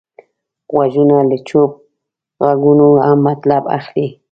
غوږونه له چوپ غږونو هم مطلب اخلي